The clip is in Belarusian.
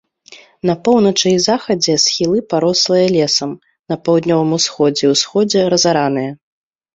На поўначы і захадзе схілы парослыя лесам, на паўднёвым усходзе і ўсходзе разараныя.